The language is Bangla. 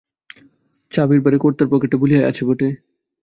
চাবির ভারে কর্তার পকেটটা বুলিয়াই আছে বটে।